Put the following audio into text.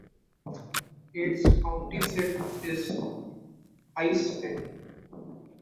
Its county seat is Hayes Center.